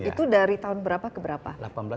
itu dari tahun berapa ke berapa